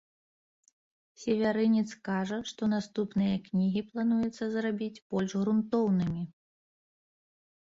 Севярынец кажа, што наступныя кнігі плануецца зрабіць больш грунтоўнымі.